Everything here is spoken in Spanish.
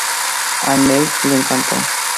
A Neil le encantó.